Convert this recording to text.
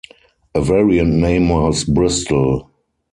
A variant name was "Bristol".